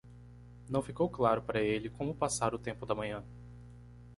Não ficou claro para ele como passar o tempo da manhã.